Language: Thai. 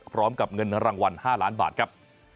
พร้อมกับเงินรางวัล๕ล้านบาทครับ